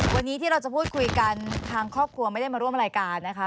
วันนี้ที่เราจะพูดคุยกันทางครอบครัวไม่ได้มาร่วมรายการนะคะ